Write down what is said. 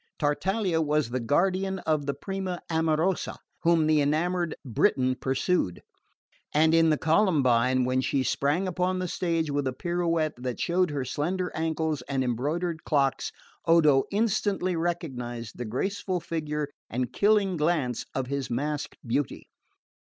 Tartaglia was the guardian of the prima amorosa, whom the enamoured Briton pursued; and in the Columbine, when she sprang upon the stage with a pirouette that showed her slender ankles and embroidered clocks, Odo instantly recognised the graceful figure and killing glance of his masked beauty.